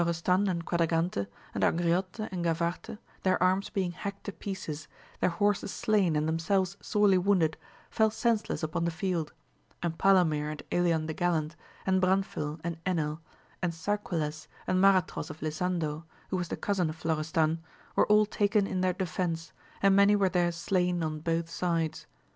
Florestan and Quadragante, and Angriote and Ga varte, their arms being hacked to pieces, their horses slain and themselves sorely wounded, fell senseless upon the field ; and Palomir and Elian the gallant, and Branfil and Enil, and Sarquiles and Maratros of Lisando, who was the cousin of Florestan, were all taken in their defence, and many were there slain on both sides.